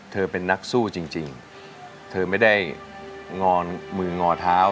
เป็นนักสู้จริงเธอไม่ได้งอนมืองอเท้า